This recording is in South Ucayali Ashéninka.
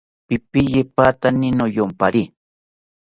Pipiye patani niyompari